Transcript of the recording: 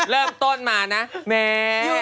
เริ่มต้นมานะแม่